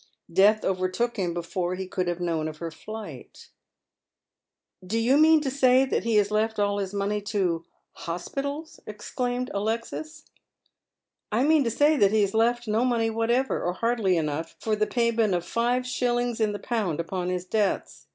Death overtook him before he could have known of her flight " Do you mean to say that he has left all his money to ho«pi« tuls ?" exclaimed Ale; ds. S3S Dead MerHs Shoes. " I mean to say that lie has left no money whatever — or hardly enough for the payment of five shillings in the pound upon hig debts.